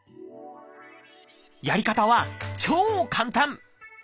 やり方は超簡単！